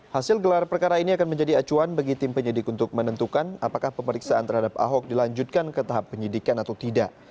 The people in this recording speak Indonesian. hasil gelar perkara ini akan menjadi acuan bagi tim penyidik untuk menentukan apakah pemeriksaan terhadap ahok dilanjutkan ke tahap penyidikan atau tidak